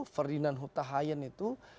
ferdinand huta hayen itu